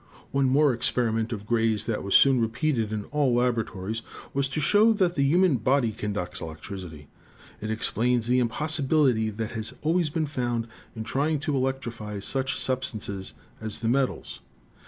"One more experiment of Gray's that was soon repeated in all laboratories was to show that the human body con ducts electricity. It explains the impossibility that had always been found in trying to electrify such substances as the metals.